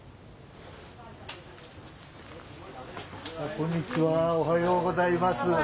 こんにちはおはようございます。